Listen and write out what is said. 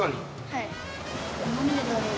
はい。